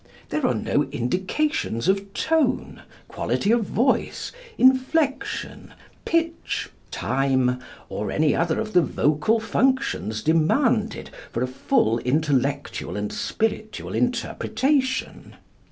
There are no indications of tone, quality of voice, inflection, pitch, time, or any other of the vocal functions demanded for a full intellectual and spiritual interpretation.